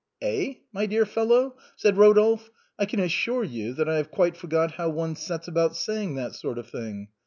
" Eh ? my dear fellow," said Kodolphe, " I can assure you that I have quite forgot how one sets about saying that sort of thing.